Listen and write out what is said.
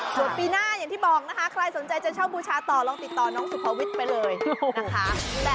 ส่วนปีหน้าอย่างที่บอกนะคะใครสนใจจะเช่าบูชาต่อลองติดต่อน้องสุภวิทย์ไปเลยนะคะ